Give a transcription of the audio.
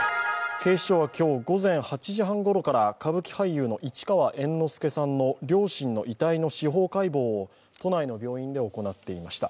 警視庁は今日、午前８時半ごろから歌舞伎俳優の市川猿之助さんの両親の遺体の司法解剖を都内の病院で行ってきました。